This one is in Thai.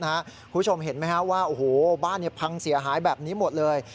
คุณผู้ชมเห็นไหมครับว่าโอ้โหบ้านพังเสียหายแบบนี้หมดเลย